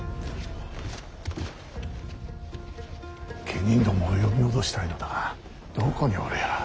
家人どもを呼び戻したいのだがどこにおるやら。